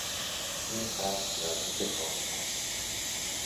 این قصر نزدیک خانه ها است.